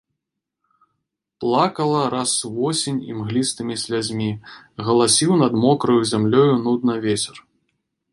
Плакала раз восень імглістымі слязьмі, галасіў над мокраю зямлёю нудна вецер.